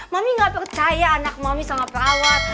mami gak percaya anak mami sama perawat